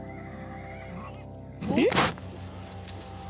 えっ！